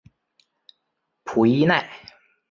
普伊奈。